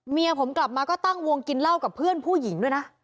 เมียผมกลับมาก็ตั้งวงกินเหล้ากับเพื่อนผู้หญิงด้วยนะ